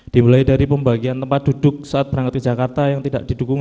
dimulai dari pembagian tempat duduk saat berangkat ke jakarta yang tidak didukung